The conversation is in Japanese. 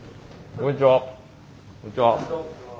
こんにちは。